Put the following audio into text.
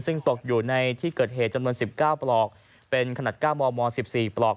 ซึ่งตกอยู่ในที่เกิดเหตุจำนวน๑๙ปลอกเป็นขนาด๙มม๑๔ปลอก